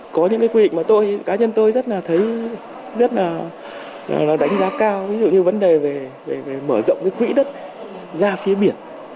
có những quy định mà cá nhân tôi rất là đánh giá cao ví dụ như vấn đề về mở rộng quỹ đất ra phía biển